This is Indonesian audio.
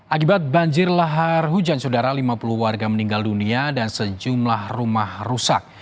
akibat banjir lahar hujan saudara lima puluh warga meninggal dunia dan sejumlah rumah rusak